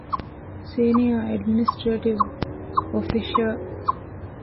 ސީނިޔަރ އެޑްމިނިސްޓްރޭޓިވް އޮފިޝަރ